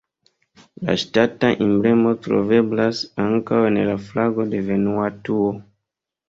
La ŝtata emblemo troveblas ankaŭ en la flago de Vanuatuo.